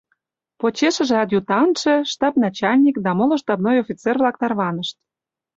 Почешыже адъютантше, штаб начальник да моло штабной офицер-влак тарванышт.